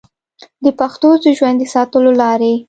د پښتو د ژوندي ساتلو لارې